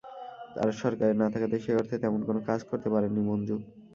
আর সরকারে না থাকাতে সেই অর্থে তেমন কোনো কাজ করতে পারেননি মঞ্জু।